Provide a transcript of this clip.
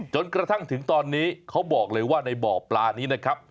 จนกระทั่งถึงตอนนี้เขาบอกเลยว่าในบ่อปลานี้นะครับ